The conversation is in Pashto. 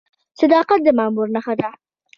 صداقت د مامور نښه ده؟